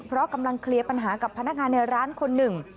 เพราะกำลังเคลียร์ปัญหากับพนักงานในร้านคนหนึ่ง